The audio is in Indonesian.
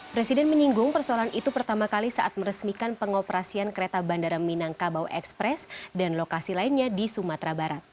presiden menyinggung persoalan itu pertama kali saat meresmikan pengoperasian kereta bandara minangkabau ekspres dan lokasi lainnya di sumatera barat